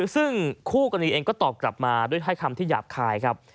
ซึ่งคู่กรณีเองก็ตอบกลับมาด้วยถ้อยคำที่หยาบคายครับ